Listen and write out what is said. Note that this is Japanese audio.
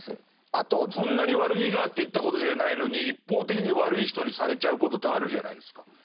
あとそんなに悪気があって言ったことじゃないのに一方的に悪い人にされちゃうことってあるじゃないですか。